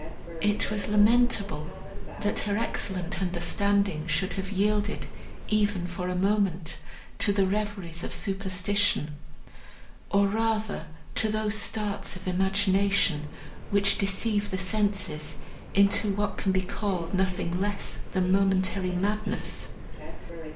It was lamentable, that her excellent understanding should have yielded, even for a moment, to the reveries of superstition, or rather to those starts of imagination, which deceive the senses into what can be called nothing less than momentary madness.